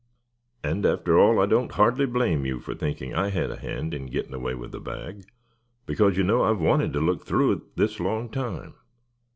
"And after all, I don't hardly blame you for thinking I had a hand in gettin' away with the bag; because, you know, I've wanted to look through it this long time.